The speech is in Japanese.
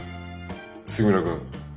杉村君。